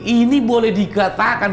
ini boleh dikatakan